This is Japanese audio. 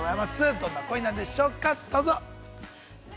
どんな恋なんでしょうか、どうぞ。